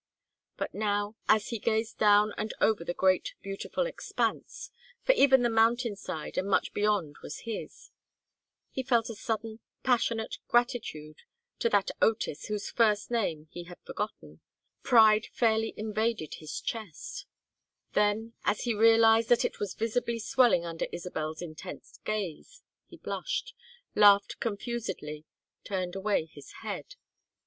But now, as he gazed down and over the great beautiful expanse for even the mountain side and much beyond was his he felt a sudden passionate gratitude to that Otis whose first name he had forgotten, pride fairly invaded his chest; then, as he realized that it was visibly swelling under Isabel's intent gaze, he blushed, laughed confusedly, turned away his head.